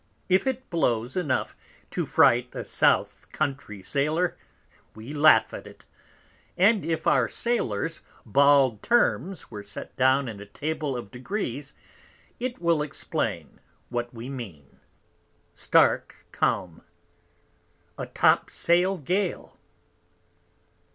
If it blows enough to fright a South Country Sailor, we laugh at it: and if our Sailors bald Terms were set down in a Table of Degrees, it will explain what we mean. Stark Calm. | _A Top sail Gale.